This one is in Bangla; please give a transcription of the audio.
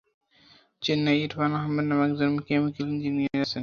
চেন্নাইয়ে ইরফান আহমেদ নামে একজন কেমিকেল ইঞ্জিনিয়ার আছে।